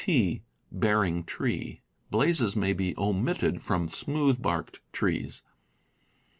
T. ("bearing tree"). Blazes may be omitted from smoothe barked trees.